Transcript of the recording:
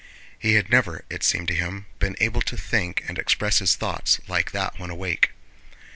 He had never, it seemed to him, been able to think and express his thoughts like that when awake.